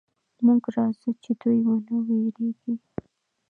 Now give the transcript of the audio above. موږ راځو چې دوئ ونه وېرېږي.